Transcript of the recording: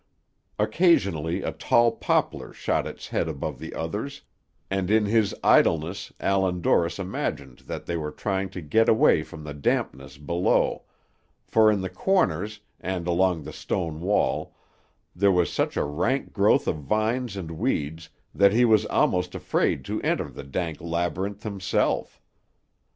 Occasionally a tall poplar shot its head above the others, and in his idleness Allan Dorris imagined that they were trying to get away from the dampness below, for in the corners, and along the stone wall, there was such a rank growth of vines and weeds that he was almost afraid to enter the dank labyrinth himself.